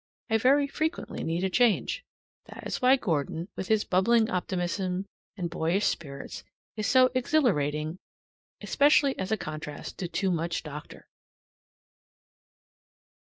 I very frequently need a change. That is why Gordon, with his bubbling optimism and boyish spirits, is so exhilarating especially as a contrast to too much doctor.